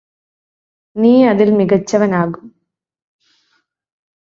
നീ അതിൽ മികച്ചവനാകും